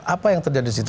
apa yang terjadi di situ